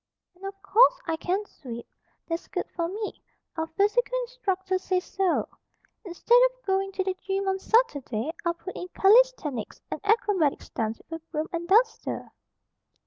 "And, of course, I can sweep. That's good for me. Our physical instructor says so. Instead of going to the gym on Saturday, I'll put in calisthenics and acrobatic stunts with a broom and duster."